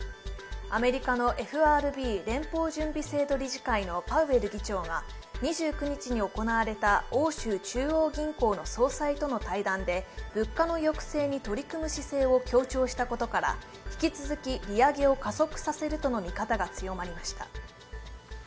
アメリカのＦＲＢ＝連邦準備制度理事会のパウエル議長が２９日に行われた欧州中央銀行の総裁との対談で物価の抑制に取り組む姿勢を強調したことから引き続き利上げを加速させるとの見方が強まりました。